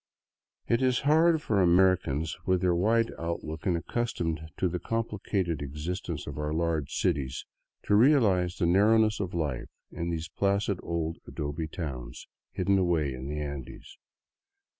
It is hard for Amer icans, with their wide outlook and accustomed to the complicated e xistence of our large cities, to realize the narrowness of life in these placid old adobe towns hidden away in the Andes.